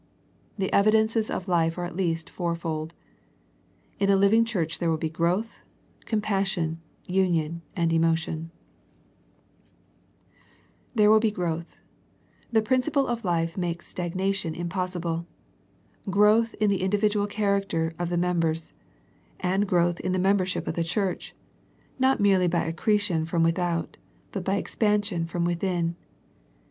The evidences of life are at least fourfold. . In a living church there will be growth, com passion, union, and emotion, t There will be growth. The principle of life • makes stagnation impossible. Growth in the individual character of the members, and growth in the membership of the church, not merely by accretion from without, but by ex pansion from within.